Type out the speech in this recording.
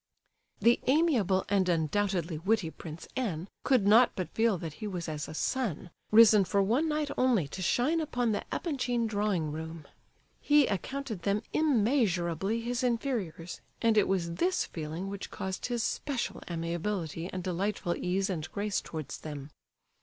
The amiable and undoubtedly witty Prince N. could not but feel that he was as a sun, risen for one night only to shine upon the Epanchin drawing room. He accounted them immeasurably his inferiors, and it was this feeling which caused his special amiability and delightful ease and grace towards them.